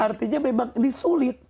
artinya memang ini sulit